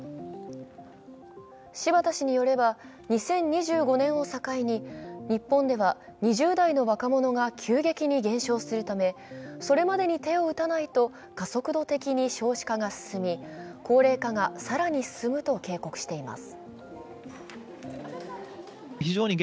柴田氏によれば、２０２５年を境に日本では２０代の若者が急激に減少するためそれまでに手を打たないと加速度的に少子化が進み高齢化が更に進むと警告しています。